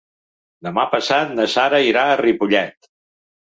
Demà passat na Sara irà a Ripollet.